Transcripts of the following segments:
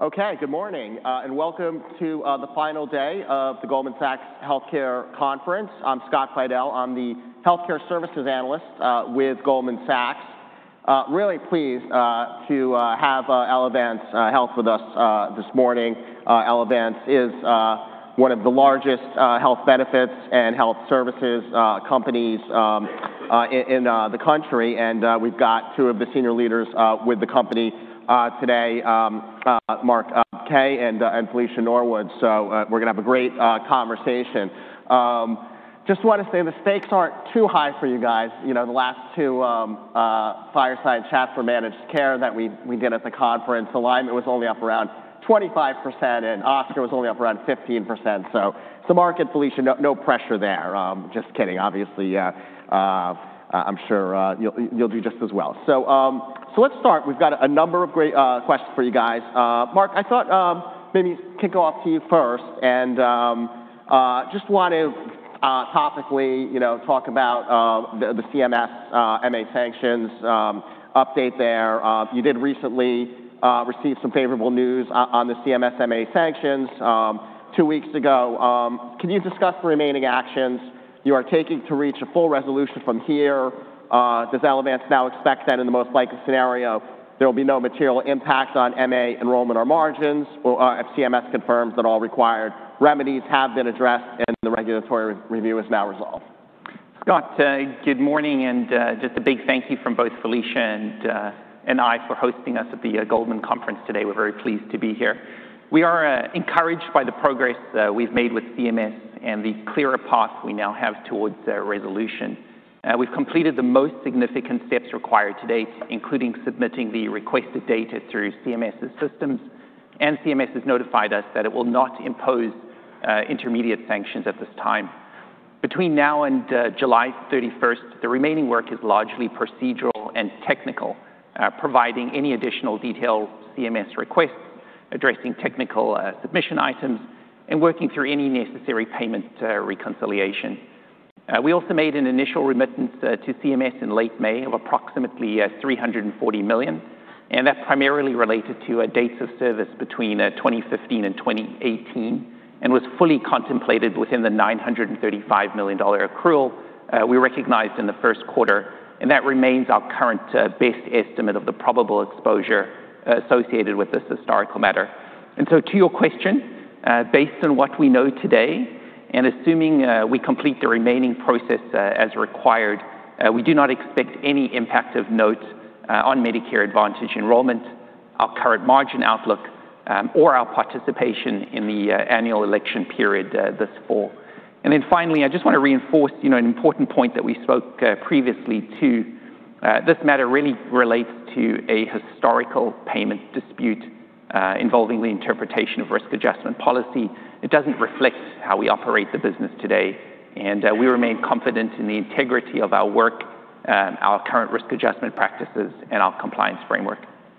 Good morning, and welcome to the final day of the Goldman Sachs Healthcare Conference. I'm Scott Fidel. I'm the healthcare services analyst with Goldman Sachs. Really pleased to have Elevance Health with us this morning. Elevance is one of the largest health benefits and health services companies in the country, and we've got two of the senior leaders with the company today, Mark Kaye and Felicia Norwood. We're going to have a great conversation. Just want to say, the stakes aren't too high for you guys. The last two fireside chats were managed care that we did at the conference. Alignment was only up around 25%, and Oscar was only up around 15%. Mark and Felicia, no pressure there. Just kidding. Obviously, I'm sure you'll do just as well. Let's start. We've got a number of great questions for you guys. Mark, I thought maybe kick off to you first and just want to topically talk about the CMS MA sanctions update there. You did recently receive some favorable news on the CMS MA sanctions two weeks ago. Can you discuss the remaining actions you are taking to reach a full resolution from here? Does Elevance now expect that in the most likely scenario, there will be no material impact on MA enrollment or margins if CMS confirms that all required remedies have been addressed and the regulatory review is now resolved? Scott, good morning, and just a big thank you from both Felicia and I for hosting us at the Goldman Conference today. We're very pleased to be here. We are encouraged by the progress we've made with CMS and the clearer path we now have towards a resolution. We've completed the most significant steps required to date, including submitting the requested data through CMS's systems, and CMS has notified us that it will not impose intermediate sanctions at this time. Between now and July 31st, the remaining work is largely procedural and technical, providing any additional detail CMS requests, addressing technical submission items, and working through any necessary payment reconciliation. We also made an initial remittance to CMS in late May of approximately $340 million, and that's primarily related to dates of service between 2015 and 2018 and was fully contemplated within the $935 million accrual we recognized in the first quarter, and that remains our current best estimate of the probable exposure associated with this historical matter. To your question, based on what we know today and assuming we complete the remaining process as required, we do not expect any impact of note on Medicare Advantage enrollment, our current margin outlook, or our participation in the annual election period this fall. Finally, I just want to reinforce an important point that we spoke previously to. This matter really relates to a historical payment dispute involving the interpretation of risk adjustment policy. It doesn't reflect how we operate the business today. We remain confident in the integrity of our work and our current risk adjustment practices and our compliance framework.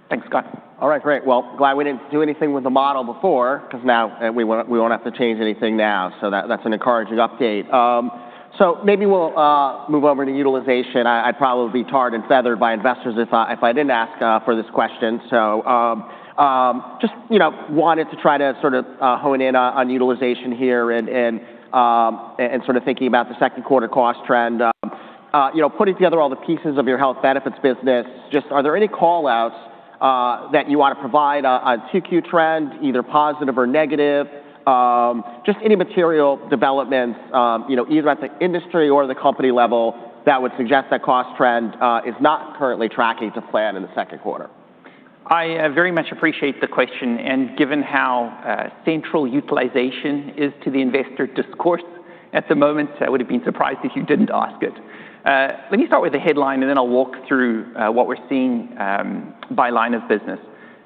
Thanks, Scott. All right, great. Well, glad we didn't do anything with the model before, because now we won't have to change anything now. That's an encouraging update. Maybe we'll move over to utilization. I'd probably be tarred and feathered by investors if I didn't ask for this question. Just wanted to try to sort of hone in on utilization here and sort of thinking about the second quarter cost trend. Putting together all the pieces of your health benefits business, just are there any call-outs that you want to provide a 2Q trend, either positive or negative, just any material developments, either at the industry or the company level that would suggest that cost trend is not currently tracking to plan in the second quarter? I very much appreciate the question. Given how central utilization is to the investor discourse at the moment, I would have been surprised if you didn't ask it. Let me start with the headline. Then I'll walk through what we're seeing by line of business.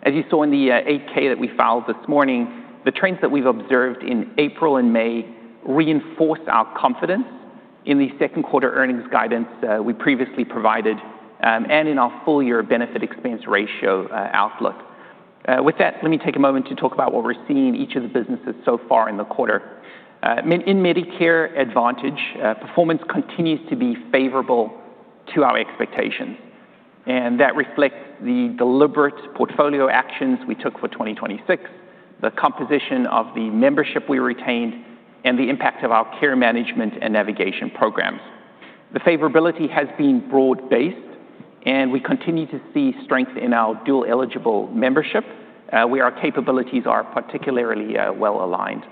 As you saw in the 8-K that we filed this morning, the trends that we've observed in April and May reinforce our confidence in the second quarter earnings guidance we previously provided and in our full-year benefit expense ratio outlook. With that, let me take a moment to talk about what we're seeing in each of the businesses so far in the quarter. In Medicare Advantage, performance continues to be favorable to our expectations. That reflects the deliberate portfolio actions we took for 2026, the composition of the membership we retained, and the impact of our care management and navigation programs. The favorability has been broad-based. We continue to see strength in our dual-eligible membership, where our capabilities are particularly well-aligned.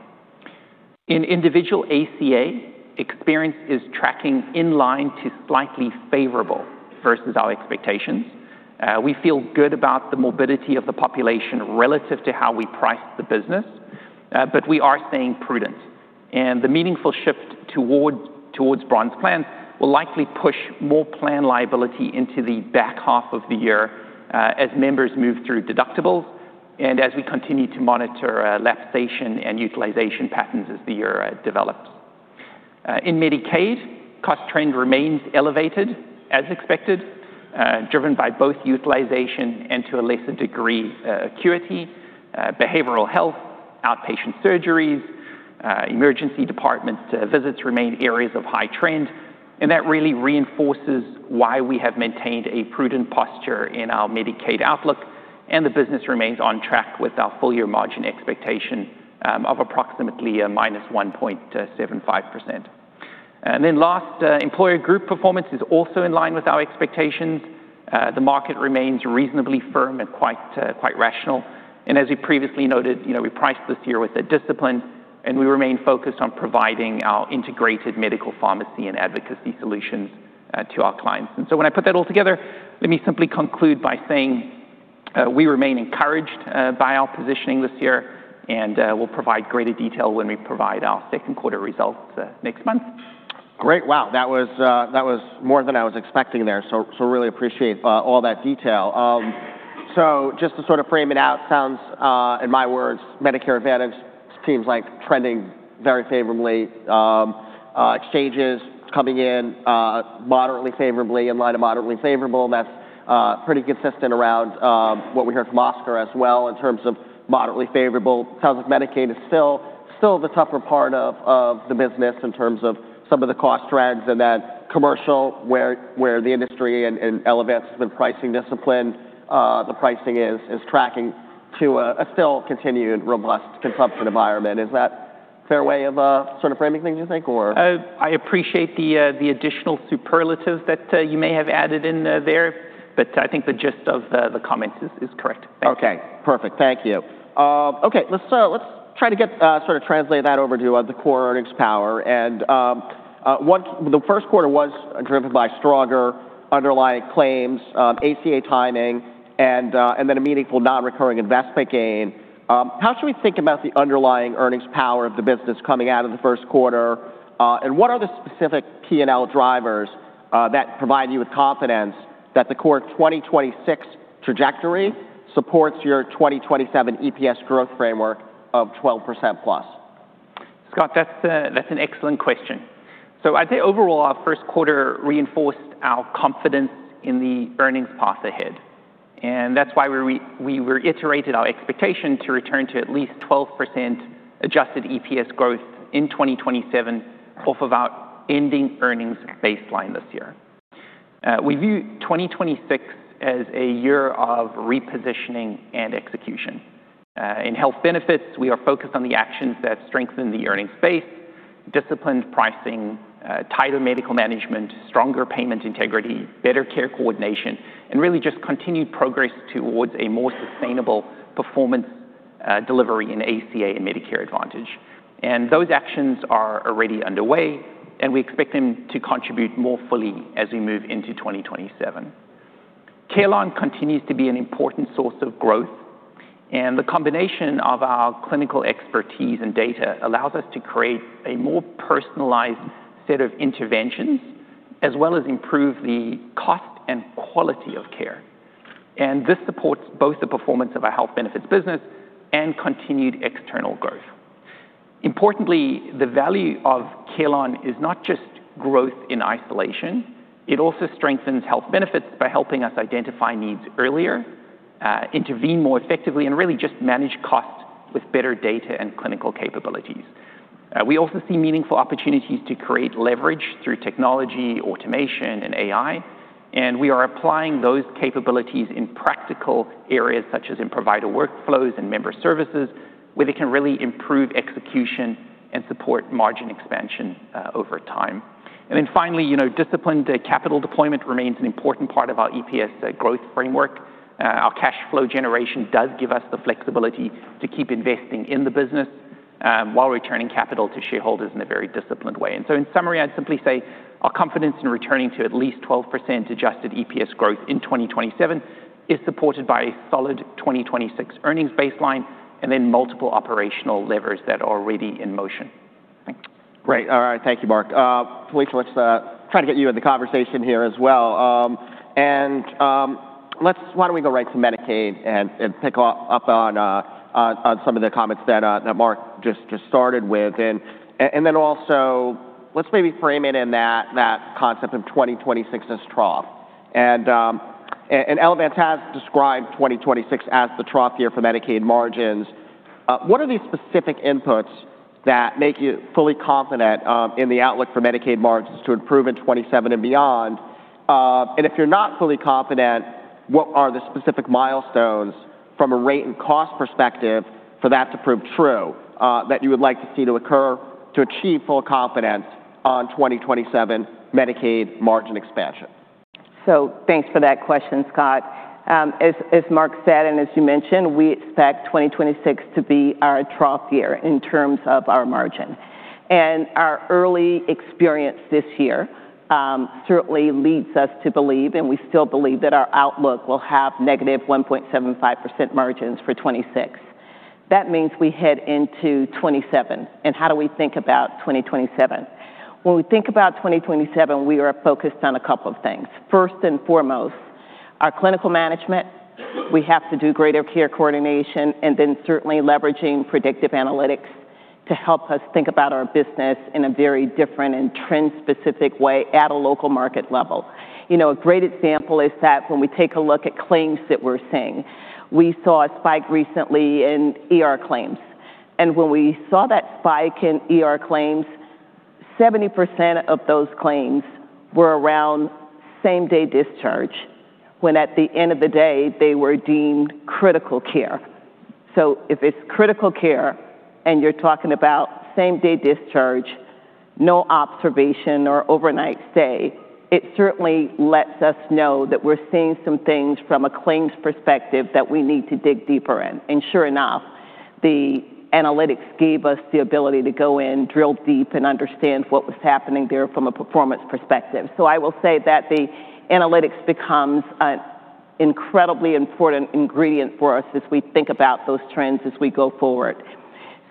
In individual ACA, experience is tracking in line to slightly favorable versus our expectations. We feel good about the morbidity of the population relative to how we price the business, but we are staying prudent, and the meaningful shift towards bronze plans will likely push more plan liability into the back half of the year as members move through deductibles and as we continue to monitor lapsation and utilization patterns as the year develops. In Medicaid, cost trend remains elevated as expected, driven by both utilization and, to a lesser degree, acuity, behavioral health, outpatient surgeries, Emergency department visits remain areas of high trend, and that really reinforces why we have maintained a prudent posture in our Medicaid outlook, and the business remains on track with our full-year margin expectation of approximately -1.75%. Last, employer group performance is also in line with our expectations. The market remains reasonably firm and quite rational. As we previously noted, we priced this year with discipline, and we remain focused on providing our integrated medical pharmacy and advocacy solutions to our clients. When I put that all together, let me simply conclude by saying we remain encouraged by our positioning this year, and we'll provide greater detail when we provide our second quarter results next month. Great. Wow, that was more than I was expecting there. Really appreciate all that detail. Just to sort of frame it out, sounds, in my words, Medicare Advantage seems like trending very favorably. Exchanges coming in moderately favorably, in line to moderately favorable. That's pretty consistent around what we heard from Oscar Health as well, in terms of moderately favorable. Sounds like Medicaid is still the tougher part of the business in terms of some of the cost trends and that commercial, where the industry and Elevance Health with pricing discipline, the pricing is tracking to a still continued robust consumption environment. Is that fair way of sort of framing things, you think? I appreciate the additional superlatives that you may have added in there, but I think the gist of the comments is correct. Okay, perfect. Thank you. Let's try to sort of translate that over to the core earnings power. The first quarter was driven by stronger underlying claims, ACA timing, and a meaningful non-recurring investment gain. How should we think about the underlying earnings power of the business coming out of the first quarter? What are the specific P&L drivers that provide you with confidence that the core 2026 trajectory supports your 2027 EPS growth framework of 12%+? Scott, that's an excellent question. Overall, our first quarter reinforced our confidence in the earnings path ahead. That's why we reiterated our expectation to return to at least 12% adjusted EPS growth in 2027 off of our ending earnings baseline this year. We view 2026 as a year of repositioning and execution. In health benefits, we are focused on the actions that strengthen the earnings base, disciplined pricing, tighter medical management, stronger payment integrity, better care coordination, and really just continued progress towards a more sustainable performance delivery in ACA and Medicare Advantage. Those actions are already underway, and we expect them to contribute more fully as we move into 2027. Carelon continues to be an important source of growth, the combination of our clinical expertise and data allows us to create a more personalized set of interventions, as well as improve the cost and quality of care. This supports both the performance of our health benefits business and continued external growth. Importantly, the value of Carelon is not just growth in isolation. It also strengthens health benefits by helping us identify needs earlier, intervene more effectively, and really just manage costs with better data and clinical capabilities. We also see meaningful opportunities to create leverage through technology, automation, and AI, we are applying those capabilities in practical areas such as in provider workflows and member services, where they can really improve execution and support margin expansion over time. Finally, disciplined capital deployment remains an important part of our EPS growth framework. Our cash flow generation does give us the flexibility to keep investing in the business while returning capital to shareholders in a very disciplined way. In summary, I'd simply say our confidence in returning to at least 12% adjusted EPS growth in 2027 is supported by a solid 2026 earnings baseline and multiple operational levers that are already in motion. Great. All right. Thank you, Mark. Felicia, let's try to get you in the conversation here as well. Why don't we go right to Medicaid and pick up on some of the comments that Mark just started with. Also, let's maybe frame it in that concept of 2026 as trough. Elevance has described 2026 as the trough year for Medicaid margins. What are the specific inputs that make you fully confident in the outlook for Medicaid margins to improve in 2027 and beyond? If you're not fully confident, what are the specific milestones from a rate and cost perspective for that to prove true, that you would like to see to occur to achieve full confidence on 2027 Medicaid margin expansion? Thanks for that question, Scott. As Mark said, as you mentioned, we expect 2026 to be our trough year in terms of our margin. Our early experience this year certainly leads us to believe, we still believe, that our outlook will have -1.75% margins for 2026. We head into 2027, how do we think about 2027? We think about 2027, we are focused on a couple of things. First and foremost, our clinical management. We have to do greater peer coordination, certainly leveraging predictive analytics to help us think about our business in a very different and trend-specific way at a local market level. A great example is that when we take a look at claims that we're seeing, we saw a spike recently in ER claims. When we saw that spike in ER claims, 70% of those claims were around same-day discharge, when at the end of the day, they were deemed critical care. If it's critical care and you're talking about same-day discharge, no observation or overnight stay, it certainly lets us know that we're seeing some things from a claims perspective that we need to dig deeper in. Sure enough, the analytics gave us the ability to go in, drill deep, and understand what was happening there from a performance perspective. I will say that the analytics becomes an incredibly important ingredient for us as we think about those trends as we go forward.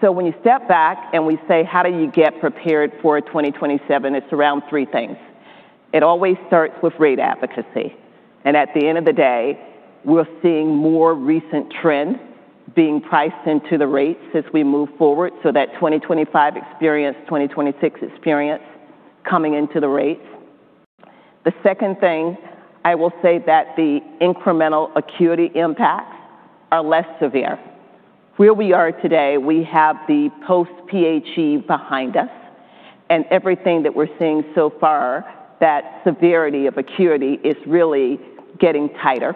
When you step back and we say, how do you get prepared for 2027? It's around three things. It always starts with rate advocacy. At the end of the day, we're seeing more recent trends being priced into the rates as we move forward, so that 2025 experience, 2026 experience coming into the rates. The second thing, I will say that the incremental acuity impacts are less severe. Where we are today, we have the post-PHE behind us, everything that we're seeing so far, that severity of acuity is really getting tighter.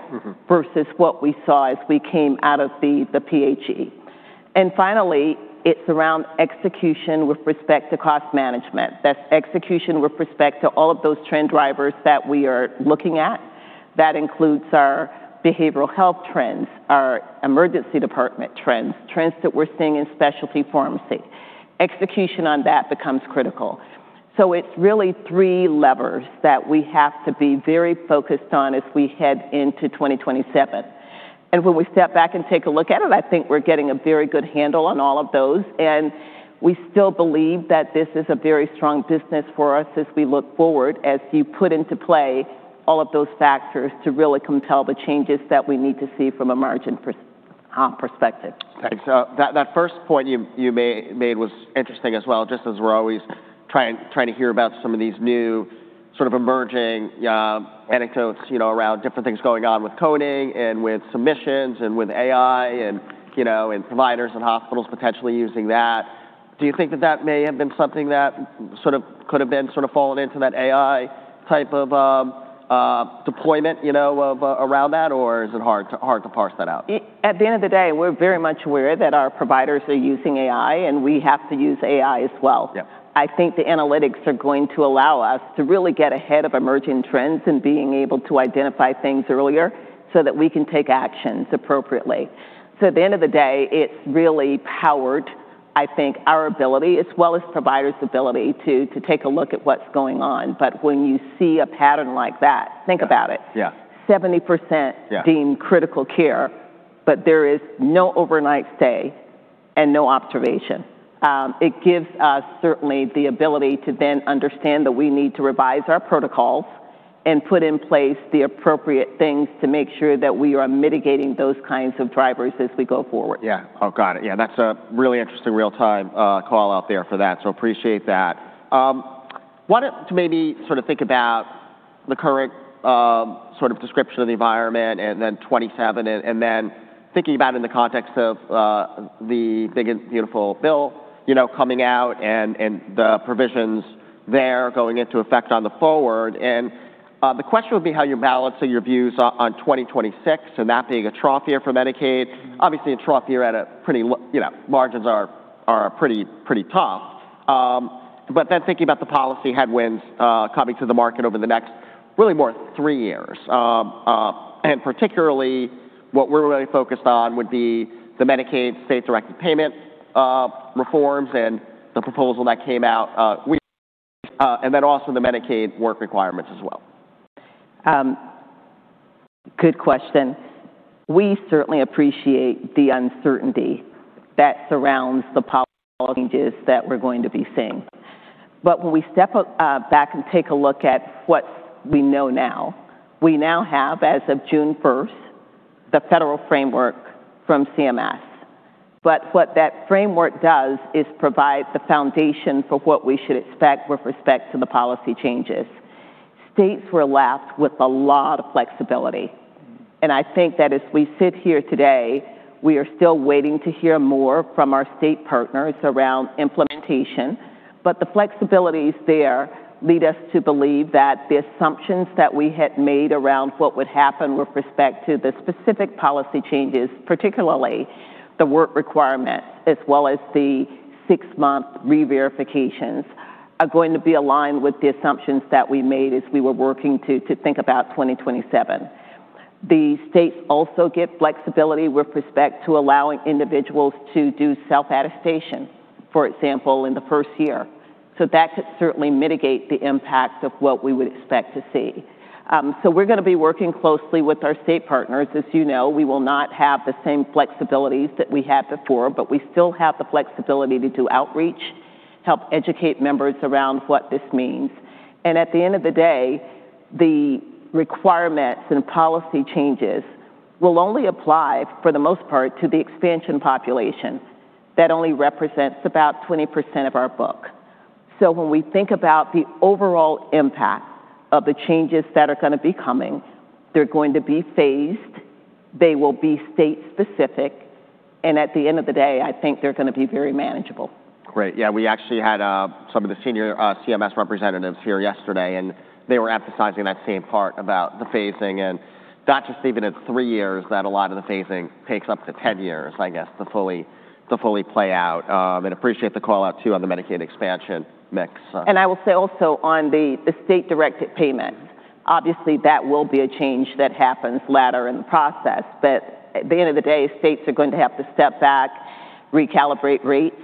Versus what we saw as we came out of the PHE. Finally, it's around execution with respect to cost management. That's execution with respect to all of those trend drivers that we are looking at. That includes our behavioral health trends, our emergency department trends that we're seeing in specialty pharmacy. Execution on that becomes critical. It's really three levers that we have to be very focused on as we head into 2027. When we step back and take a look at it, I think we're getting a very good handle on all of those, we still believe that this is a very strong business for us as we look forward, as you put into play all of those factors to really compel the changes that we need to see from a margin perspective. Okay. That first point you made was interesting as well, just as we're always trying to hear about some of these new emerging anecdotes around different things going on with coding and with submissions and with AI and providers and hospitals potentially using that. Do you think that that may have been something that could have been falling into that AI type of deployment around that, or is it hard to parse that out? At the end of the day, we're very much aware that our providers are using AI, and we have to use AI as well. Yeah. I think the analytics are going to allow us to really get ahead of emerging trends and being able to identify things earlier so that we can take actions appropriately. At the end of the day, it really powered, I think, our ability as well as providers' ability to take a look at what's going on. When you see a pattern like that, think about it. Yeah. 70% deemed critical care, there is no overnight stay and no observation. It gives us certainly the ability to then understand that we need to revise our protocols and put in place the appropriate things to make sure that we are mitigating those kinds of drivers as we go forward. Yeah, got it. That's a really interesting real-time call out there for that, appreciate that. Wanted to maybe think about the current description of the environment and then 2027, then thinking about in the context of the Big and Beautiful Bill coming out and the provisions there going into effect on the forward. The question would be how you're balancing your views on 2026 and that being a trough year for Medicaid. Obviously, a trough year, margins are pretty tough. Then thinking about the policy headwinds coming to the market over the next, really more three years. Particularly what we're really focused on would be the Medicaid state directed payment reforms and the proposal that came out. Also the Medicaid work requirements as well. Good question. We certainly appreciate the uncertainty that surrounds the policy changes that we're going to be seeing. When we step back and take a look at what we know now, we now have, as of June 1st, the federal framework from CMS. What that framework does is provide the foundation for what we should expect with respect to the policy changes. States were left with a lot of flexibility, and I think that as we sit here today, we are still waiting to hear more from our state partners around implementation. The flexibilities there lead us to believe that the assumptions that we had made around what would happen with respect to the specific policy changes, particularly the Work Requirement, as well as the six-month re-verifications, are going to be aligned with the assumptions that we made as we were working to think about 2027. The states also get flexibility with respect to allowing individuals to do self-attestation, for example, in the first year. That could certainly mitigate the impact of what we would expect to see. We're going to be working closely with our state partners. As you know, we will not have the same flexibilities that we had before, but we still have the flexibility to do outreach, help educate members around what this means. At the end of the day, the requirements and policy changes will only apply, for the most part, to the expansion population. That only represents about 20% of our book. When we think about the overall impact of the changes that are going to be coming, they're going to be phased. They will be state specific, and at the end of the day, I think they're going to be very manageable. Great. We actually had some of the senior CMS representatives here yesterday, they were emphasizing that same part about the phasing and not just even at three years, that a lot of the phasing takes up to 10 years, I guess, to fully play out. Appreciate the call-out, too, on the Medicaid expansion mix. I will say also on the state directed payment, obviously that will be a change that happens later in the process. At the end of the day, states are going to have to step back, recalibrate rates,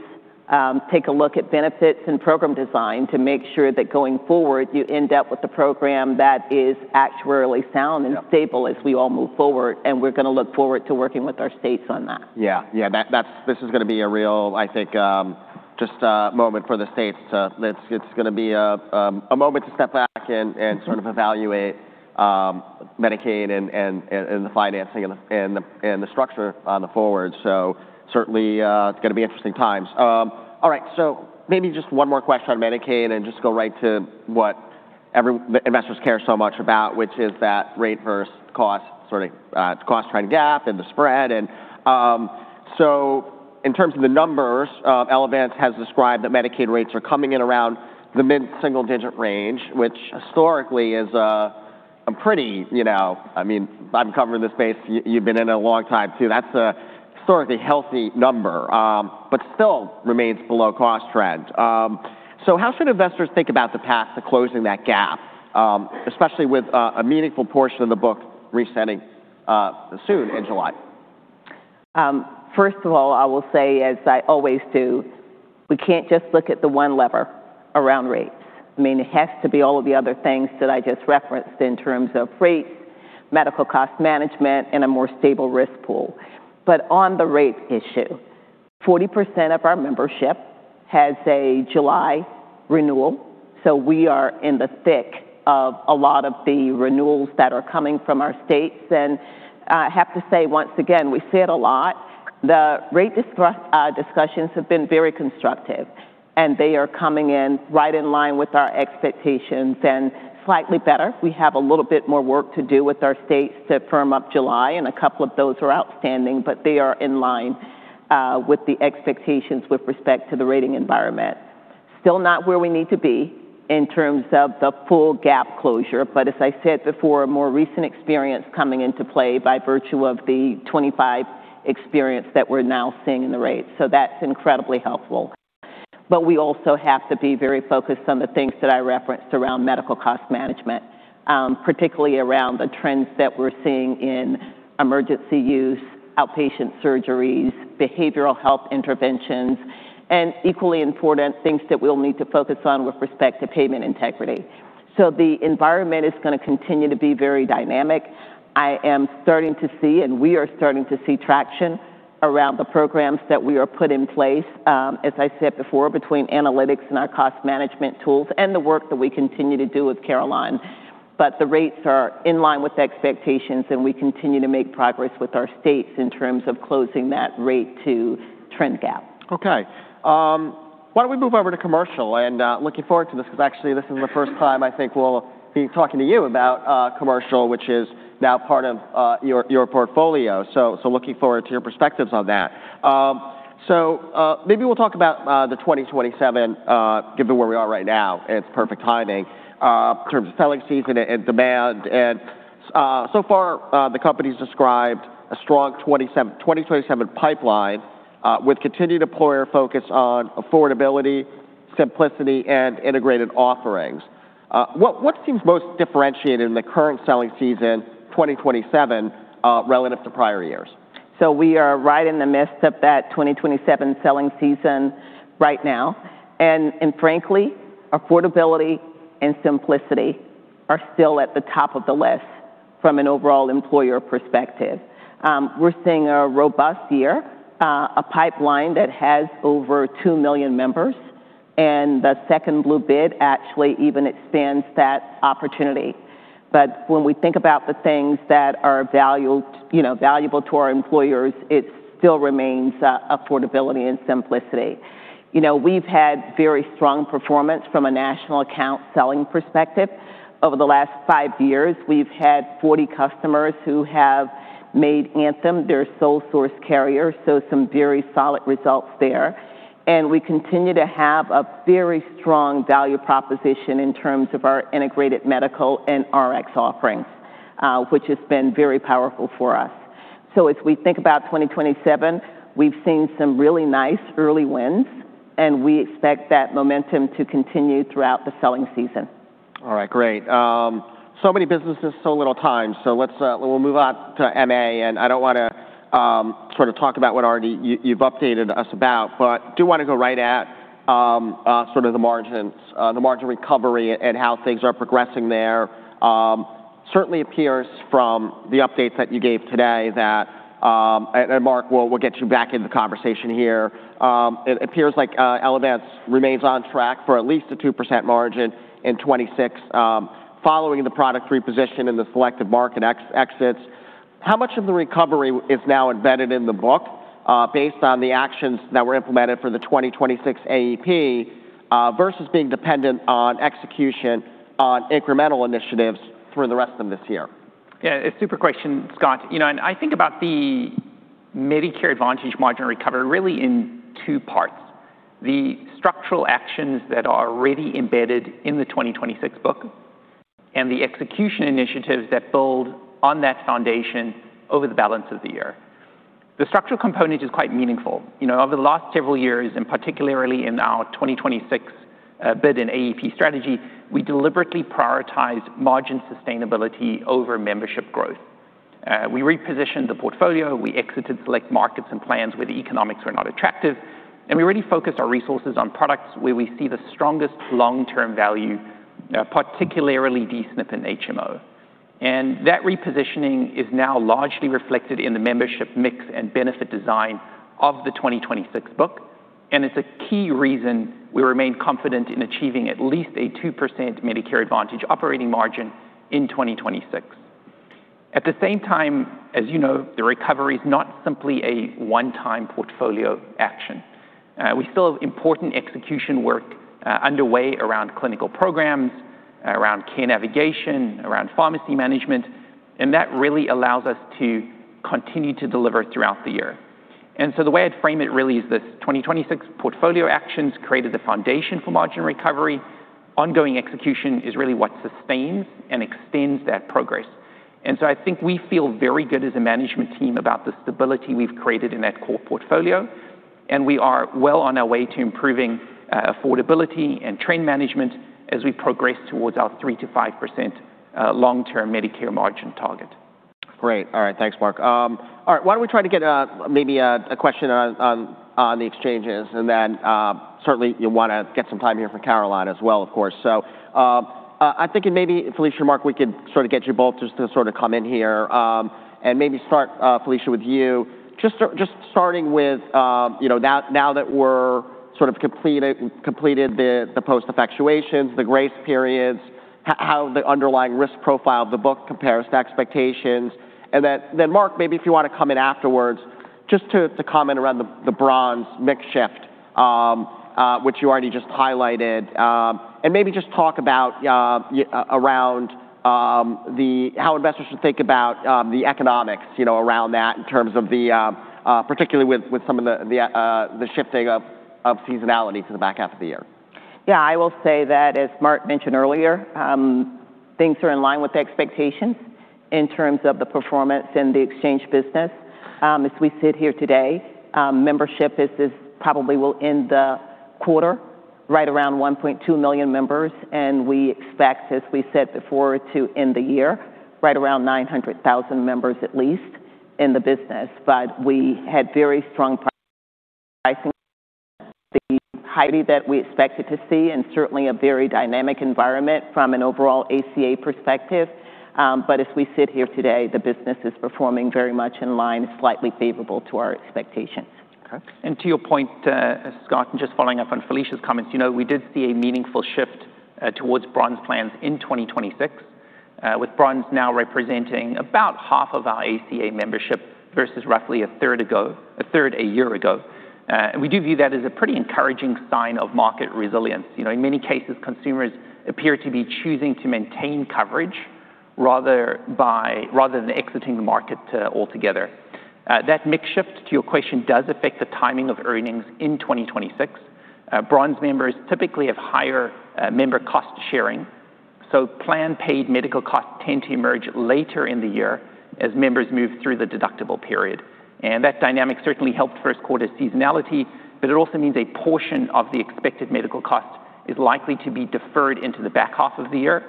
take a look at benefits and program design to make sure that going forward, you end up with a program that is actuarially sound and stable as we all move forward, and we're going to look forward to working with our states on that. Yeah. This is going to be a real moment for the states. It's going to be a moment to step back and sort of evaluate Medicaid and the financing and the structure on the forward. Certainly, it's going to be interesting times. All right. Maybe just one more question on Medicaid and just go right to what investors care so much about, which is that rate versus cost trend gap and the spread. In terms of the numbers, Elevance has described that Medicaid rates are coming in around the mid-single digit range, which historically is a pretty. I'm covering the space. You've been in it a long time, too. That's a historically healthy number, but still remains below cost trend. How should investors think about the path to closing that gap, especially with a meaningful portion of the book resetting soon in July? First of all, I will say, as I always do, we can't just look at the one lever around rates. It has to be all of the other things that I just referenced in terms of rates, medical cost management, and a more stable risk pool. On the rate issue, 40% of our membership has a July renewal, so we are in the thick of a lot of the renewals that are coming from our states. I have to say, once again, we say it a lot, the rate discussions have been very constructive, and they are coming in right in line with our expectations and slightly better. We have a little bit more work to do with our states to firm up July, and a couple of those are outstanding, but they are in line with the expectations with respect to the rating environment. Still not where we need to be in terms of the full gap closure, but as I said before, more recent experience coming into play by virtue of the 2025 experience that we're now seeing in the rates. That's incredibly helpful. We also have to be very focused on the things that I referenced around medical cost management, particularly around the trends that we're seeing in emergency use, outpatient surgeries, behavioral health interventions, and equally important, things that we'll need to focus on with respect to payment integrity. The environment is going to continue to be very dynamic. I am starting to see, and we are starting to see traction around the programs that we have put in place, as I said before, between analytics and our cost management tools and the work that we continue to do with Carelon. The rates are in line with expectations, and we continue to make progress with our states in terms of closing that rate to trend gap. Okay. Why don't we move over to commercial, and looking forward to this, because actually this is the first time I think we'll be talking to you about commercial, which is now part of your portfolio. Looking forward to your perspectives on that. Maybe we'll talk about the 2027, given where we are right now, it's perfect timing, in terms of selling season and demand. So far, the company's described a strong 2027 pipeline with continued employer focus on affordability, simplicity, and integrated offerings. What seems most differentiated in the current selling season 2027 relative to prior years? We are right in the midst of that 2027 selling season right now. Frankly, affordability and simplicity are still at the top of the list from an overall employer perspective. We're seeing a robust year, a pipeline that has over 2 million members, and the Second Blue bid actually even extends that opportunity. When we think about the things that are valuable to our employers, it still remains affordability and simplicity. We've had very strong performance from a national account selling perspective. Over the last five years, we've had 40 customers who have made Anthem their sole source carrier, so some very solid results there. We continue to have a very strong value proposition in terms of our integrated medical and RX offerings, which has been very powerful for us. As we think about 2027, we've seen some really nice early wins, and we expect that momentum to continue throughout the selling season. All right, great. Many businesses, so little time. We'll move on to MA, I don't want to talk about what already you've updated us about, but do want to go right at the margin recovery and how things are progressing there. Certainly appears from the updates that you gave today that, and Mark, we'll get you back in the conversation here. It appears like Elevance remains on track for at least a 2% margin in 2026, following the product reposition and the selective market exits. How much of the recovery is now embedded in the book based on the actions that were implemented for the 2026 AEP? Versus being dependent on execution on incremental initiatives through the rest of this year. A super question, Scott. I think about the Medicare Advantage margin recovery really in two parts, the structural actions that are already embedded in the 2026 book, the execution initiatives that build on that foundation over the balance of the year. The structural component is quite meaningful. Over the last several years, particularly in our 2026 bid and AEP strategy, we deliberately prioritize margin sustainability over membership growth. We repositioned the portfolio. We exited select markets and plans where the economics were not attractive, and we really focused our resources on products where we see the strongest long-term value, particularly D-SNP and HMO. That repositioning is now largely reflected in the membership mix and benefit design of the 2026 book, it's a key reason we remain confident in achieving at least a 2% Medicare Advantage operating margin in 2026. At the same time, as you know, the recovery is not simply a one-time portfolio action. We still have important execution work underway around clinical programs, around care navigation, around pharmacy management, that really allows us to continue to deliver throughout the year. The way I'd frame it really is that 2026 portfolio actions created the foundation for margin recovery. Ongoing execution is really what sustains and extends that progress. I think we feel very good as a management team about the stability we've created in that core portfolio, we are well on our way to improving affordability and trend management as we progress towards our 3%-5% long-term Medicare margin target. Great. All right. Thanks, Mark. All right. Why don't we try to get maybe a question on the exchanges, certainly you'll want to get some time here for Carelon as well, of course. I'm thinking maybe, Felicia, Mark, we could sort of get you both just to sort of come in here and maybe start, Felicia, with you. Just starting with now that we're sort of completed the post-effectuations, the grace periods, how the underlying risk profile of the book compares to expectations. Mark, maybe if you want to come in afterwards just to comment around the bronze mix shift, which you already just highlighted, maybe just talk about how investors should think about the economics around that, particularly with some of the shifting of seasonality for the back half of the year. I will say that as Mark mentioned earlier, things are in line with the expectations in terms of the performance in the exchange business. As we sit here today, membership probably will end the quarter right around 1.2 million members, and we expect, as we said before, to end the year right around 900,000 members at least in the business. We had very strong pricing, the height that we expected to see, and certainly a very dynamic environment from an overall ACA perspective. As we sit here today, the business is performing very much in line, slightly favorable to our expectations. Okay. To your point, Scott, and just following up on Felicia's comments, we did see a meaningful shift towards bronze plans in 2026, with bronze now representing about half of our ACA membership versus roughly a third a year ago. We do view that as a pretty encouraging sign of market resilience. In many cases, consumers appear to be choosing to maintain coverage rather than exiting the market altogether. That mix shift, to your question, does affect the timing of earnings in 2026. Bronze members typically have higher member cost sharing, so plan paid medical costs tend to emerge later in the year as members move through the deductible period. That dynamic certainly helped first quarter seasonality, but it also means a portion of the expected medical cost is likely to be deferred into the back half of the year.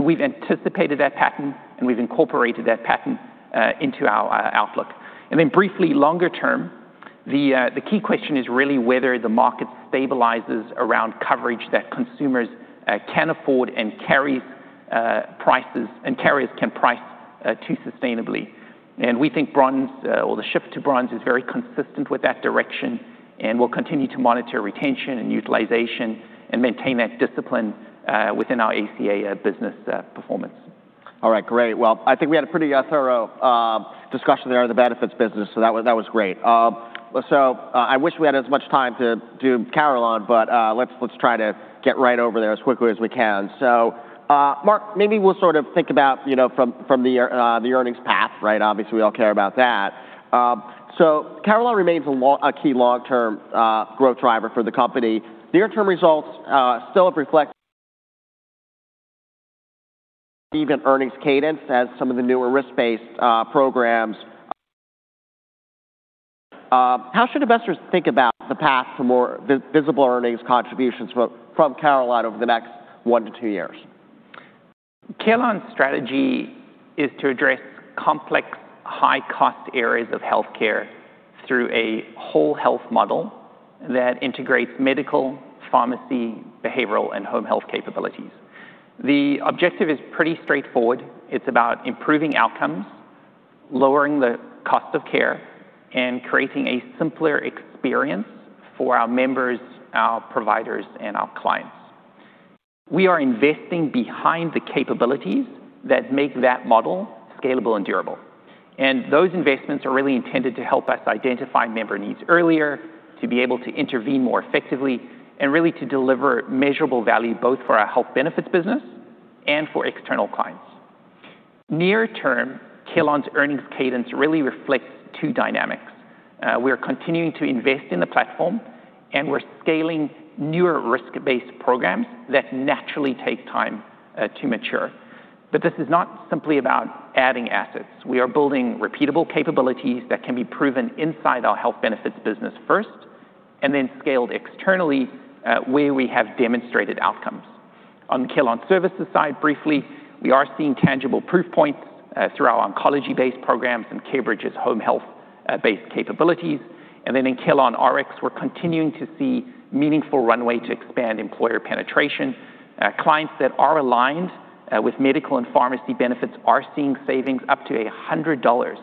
We've anticipated that pattern, and we've incorporated that pattern into our outlook. Briefly, longer term, the key question is really whether the market stabilizes around coverage that consumers can afford and carriers can price too sustainably. We think the shift to bronze is very consistent with that direction, and we'll continue to monitor retention and utilization and maintain that discipline within our ACA business performance. All right. Great. I think we had a pretty thorough discussion there of the benefits business, so that was great. I wish we had as much time to do Carelon, let's try to get right over there as quickly as we can. Mark, maybe we'll sort of think about from the earnings path, right? Obviously, we all care about that. Carelon remains a key long-term growth driver for the company. Near-term results still have reflected even earnings cadence as some of the newer risk-based programs. How should investors think about the path for more visible earnings contributions from Carelon over the next one to two years? Carelon's strategy is to address complex high-cost areas of healthcare through a whole health model that integrates medical, pharmacy, behavioral, and home health capabilities. The objective is pretty straightforward. It's about improving outcomes, lowering the cost of care, and creating a simpler experience for our members, our providers, and our clients. We are investing behind the capabilities that make that model scalable and durable. Those investments are really intended to help us identify member needs earlier, to be able to intervene more effectively, and really to deliver measurable value both for our health benefits business and for external clients. Near term, Carelon's earnings cadence really reflects two dynamics. We are continuing to invest in the platform, and we're scaling newer risk-based programs that naturally take time to mature. This is not simply about adding assets. We are building repeatable capabilities that can be proven inside our health benefits business first, and then scaled externally where we have demonstrated outcomes. On the Carelon services side, briefly, we are seeing tangible proof points through our oncology-based programs and CareBridge's home health-based capabilities. In CarelonRx, we're continuing to see meaningful runway to expand employer penetration. Clients that are aligned with medical and pharmacy benefits are seeing savings up to $100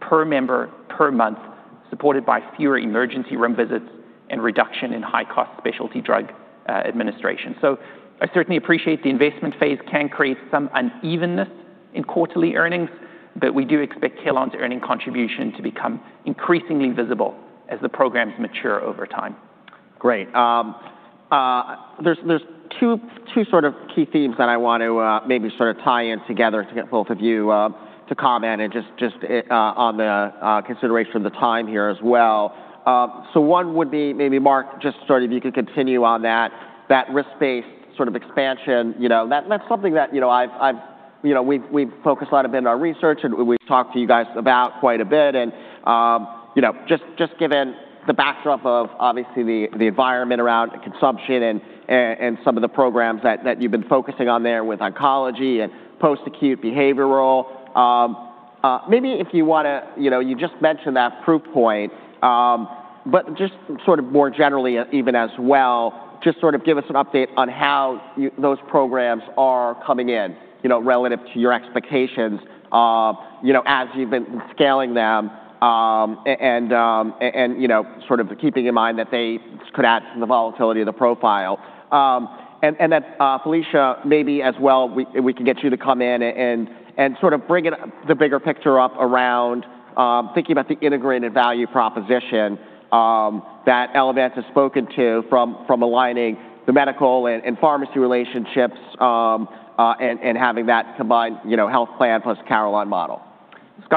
per member per month, supported by fewer emergency room visits and reduction in high-cost specialty drug administration. I certainly appreciate the investment phase can create some unevenness in quarterly earnings, but we do expect Carelon's earning contribution to become increasingly visible as the programs mature over time. Great. There's two sort of key themes that I want to maybe sort of tie in together to get both of you to comment and just on the consideration of the time here as well. One would be maybe Mark, just sort of you could continue on that risk-based sort of expansion. That's something that we've focused a lot a bit in our research, and we've talked to you guys about quite a bit and just given the backdrop of obviously the environment around consumption and some of the programs that you've been focusing on there with oncology and post-acute behavioral. Maybe if you want to, you just mentioned that proof point, but just sort of more generally even as well, just sort of give us an update on how those programs are coming in relative to your expectations as you've been scaling them, and sort of keeping in mind that they could add to the volatility of the profile. That Felicia, maybe as well, we can get you to come in and sort of bring the bigger picture up around thinking about the integrated value proposition that Elevance has spoken to from aligning the medical and pharmacy relationships, and having that combined health plan plus Carelon model.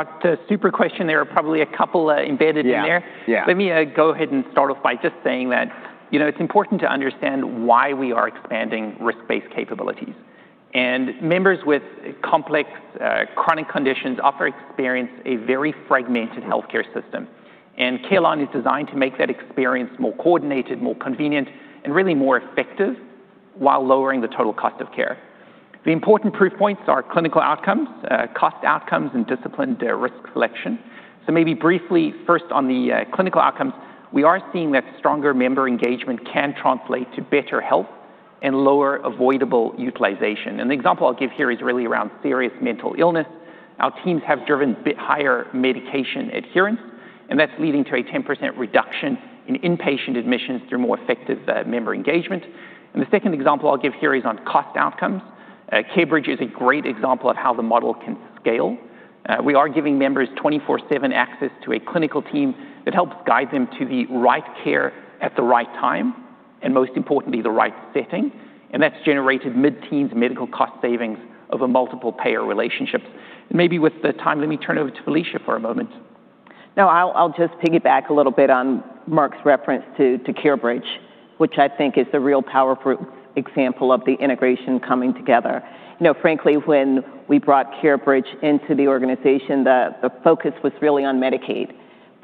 Scott, super question there. Probably a couple embedded in there. Yeah. Let me go ahead and start off by just saying that it's important to understand why we are expanding risk-based capabilities. Members with complex chronic conditions often experience a very fragmented healthcare system, Carelon is designed to make that experience more coordinated, more convenient, and really more effective while lowering the total cost of care. The important proof points are clinical outcomes, cost outcomes, and disciplined risk selection. Maybe briefly first on the clinical outcomes, we are seeing that stronger member engagement can translate to better health and lower avoidable utilization. The example I'll give here is really around serious mental illness. Our teams have driven higher medication adherence, and that's leading to a 10% reduction in inpatient admissions through more effective member engagement. The second example I'll give here is on cost outcomes. CareBridge is a great example of how the model can scale. We are giving members twenty-four-seven access to a clinical team that helps guide them to the right care at the right time, and most importantly, the right setting. That's generated mid-teens medical cost savings over multiple payer relationships. Maybe with the time, let me turn it over to Felicia for a moment. No, I'll just piggyback a little bit on Mark's reference to CareBridge, which I think is the real powerful example of the integration coming together. Frankly, when we brought CareBridge into the organization, the focus was really on Medicaid.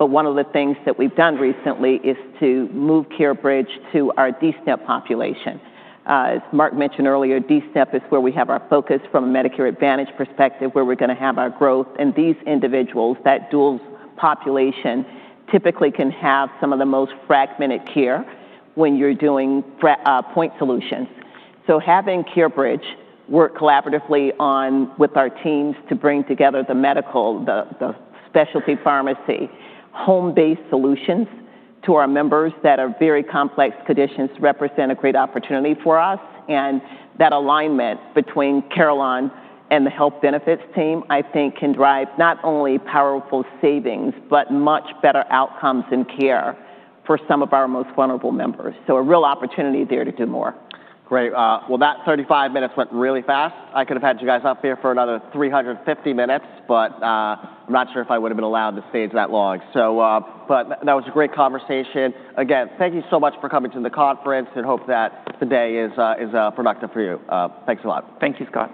One of the things that we've done recently is to move CareBridge to our D-SNP population. As Mark mentioned earlier, D-SNP is where we have our focus from a Medicare Advantage perspective, where we're going to have our growth, and these individuals, that dual population, typically can have some of the most fragmented care when you're doing point solutions. Having CareBridge work collaboratively with our teams to bring together the medical, the specialty pharmacy, home-based solutions to our members that have very complex conditions represent a great opportunity for us. That alignment between Carelon and the health benefits team, I think can drive not only powerful savings, but much better outcomes in care for some of our most vulnerable members. A real opportunity there to do more. Great. Well, that 35 minutes went really fast. I could have had you guys up here for another 350 minutes, but I'm not sure if I would've been allowed to stay that long. That was a great conversation. Thank you so much for coming to the conference, and hope that the day is productive for you. Thanks a lot. Thank you, Scott.